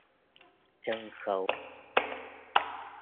Sân khấu